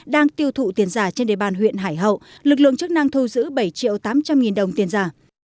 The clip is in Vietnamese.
đang tiêu thụ tiền giả trên đề bàn huyện hải hậu lực lượng chức năng thu giữ bảy triệu tám trăm linh nghìn đồng tiền giả